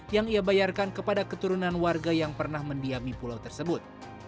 yang ia bayarkan kepada keturunan warga yang pernah mendiami pulau tersebut